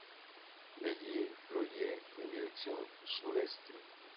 Desde allí, fluye en dirección sureste.